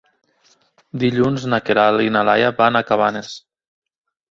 Dilluns na Queralt i na Laia van a Cabanes.